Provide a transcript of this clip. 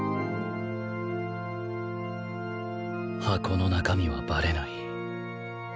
箱の中身はバレない